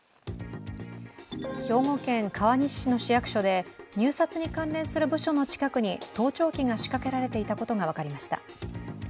兵庫県川西市の市役所で入札に関連する部署の近くに盗聴器が仕掛けられていたことが分かりました。